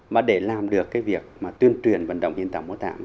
mà để làm được cái việc mà tuyên truyền vận động diễn tả mô tảm